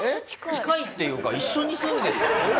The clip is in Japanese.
近いっていうか一緒に住んでる。